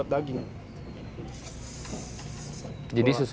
sekarang ini jadi ini